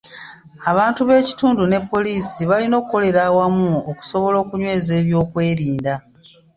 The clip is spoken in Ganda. Abantu b'ekitundu ne poliisi balina okukolera awamu okusobola okunyweza eby'okwerinda.